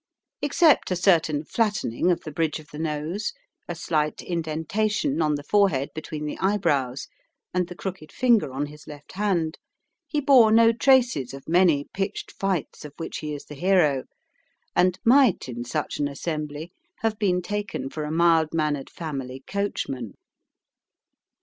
Except a certain flattening of the bridge of the nose, a slight indentation on the forehead between the eyebrows, and the crooked finger on his left hand, he bore no traces of many pitched fights of which he is the hero, and might in such an assembly have been taken for a mild mannered family coachman.